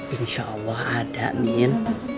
insya allah ada min